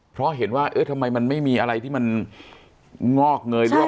เพราะเห็นว่าเอ๊ะทำไมมันไม่มีอะไรที่มันงอกเงยหรือว่า